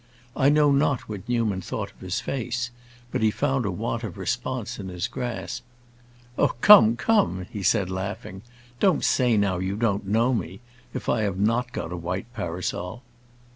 I know not what Newman thought of his face, but he found a want of response in his grasp. "Oh, come, come," he said, laughing; "don't say, now, you don't know me—if I have not got a white parasol!"